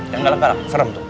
jangan galak galak serem tuh